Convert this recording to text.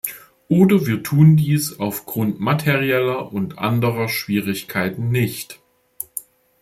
Oder wir tun dies aufgrund materieller und anderer Schwierigkeiten nicht.